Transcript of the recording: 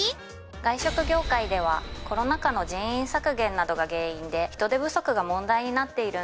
外食業界ではコロナ禍の人員削減などが原因で人手不足が問題になっているんだ